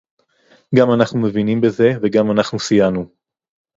גם אנחנו מבינים בזה וגם אנחנו סייענו